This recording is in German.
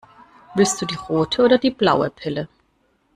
Willst du die rote oder die blaue Pille?